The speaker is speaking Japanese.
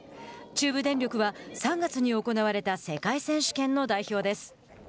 中部電力は３月に行われた世界選手権の代表です。